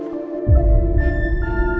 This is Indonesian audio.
saya akan mengambil alih